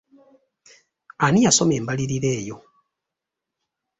Ani yasoma embalirira eyo?